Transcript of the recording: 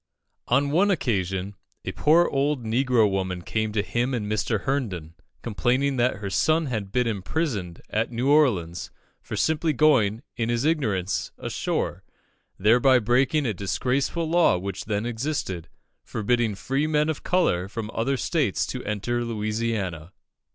On one occasion, a poor old negro woman came to him and Mr. Herndon, complaining that her son had been imprisoned at New Orleans for simply going, in his ignorance, ashore, thereby breaking a disgraceful law which then existed, forbidding free men of colour from other states to enter Louisiana.